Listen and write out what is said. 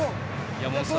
山本さん